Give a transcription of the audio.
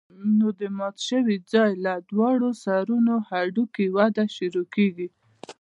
نو د مات شوي ځاى له دواړو سرونو د هډوکي وده شروع کېږي.